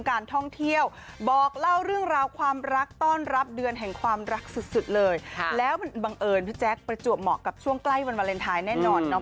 ไปจับเหมาะกับช่วงใกล้วันวาเลนไทยแน่นอนเนอะ